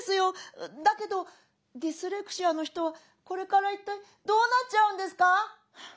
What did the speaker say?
だけどディスレクシアの人はこれから一体どうなっちゃうんですか？」。